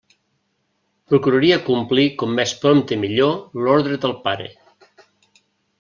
Procuraria complir com més prompte millor l'ordre del pare.